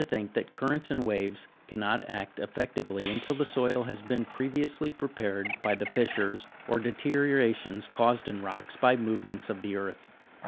think that currents and waves cannot act effectively until the soil has been previously prepared by the fissures or deteriorations caused in rocks by movements of the earth.